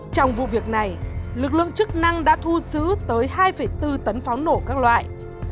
trong vụ việc này lực lượng chức năng đã thu giữ tới hai bốn tấn pháo nổ các loại